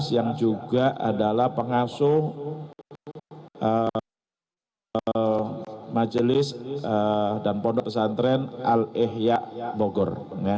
yang juga adalah pengasuh majelis dan pondok pesantren al ihya bogor